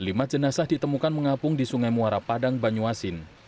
lima jenazah ditemukan mengapung di sungai muara padang banyuasin